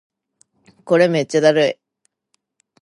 これめっちゃだるい